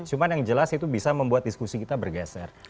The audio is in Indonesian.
cuma yang jelas itu bisa membuat diskusi kita bergeser